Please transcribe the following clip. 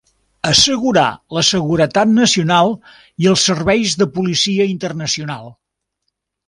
Assegurar la seguretat nacional i els serveis de policia internacional.